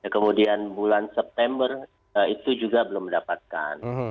kemudian bulan september itu juga belum mendapatkan